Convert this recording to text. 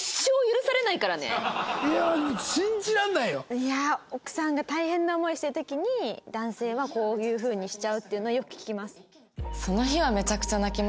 いやー奥さんが大変な思いしてる時に男性はこういう風にしちゃうっていうのはよく聞きます。